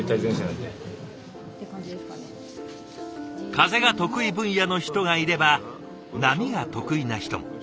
風が得意分野の人がいれば波が得意な人も。